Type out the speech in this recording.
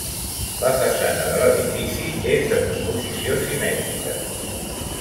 La façana de l'edifici és de composició simètrica.